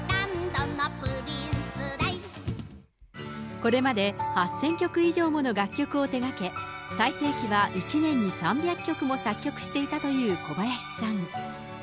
これまで８０００曲以上もの楽曲を手がけ、最盛期は１年に３００曲も作曲していたという小林さん。